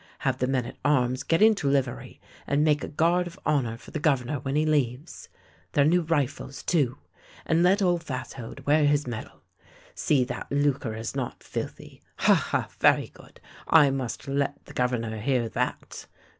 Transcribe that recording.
Have the men at arms get into livery and make a guard of honour for the Governor when he leaves. Their nev/ rifles, too, and let old Fashode wear his medal! See that Lucre is not filthy — ha! ha! very good, I must let the Governor hear that.